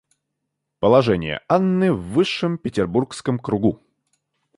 Положение Анны в высшем Петербургском кругу.